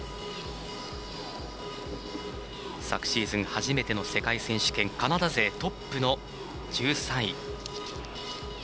昨シーズン、初めての世界選手権カナダ勢トップの１３位。